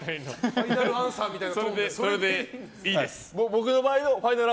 ファイナルアンサーみたいな。